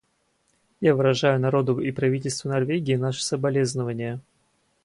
Я выражаю народу и правительству Норвегии наши соболезнования.